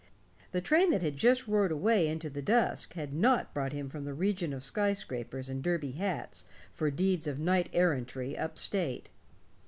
The train that had just roared away into the dusk had not brought him from the region of skyscrapers and derby hats for deeds of knight errantry up state.